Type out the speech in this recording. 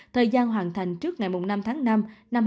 thời gian hoàn thành trước ngày năm tháng năm năm hai nghìn hai mươi bốn